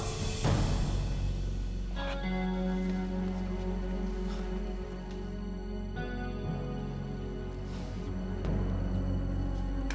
apa sih yang ada dalam otak kamu yoz